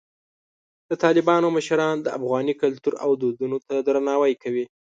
د طالبانو مشران د افغاني کلتور او دودونو ته درناوی کوي.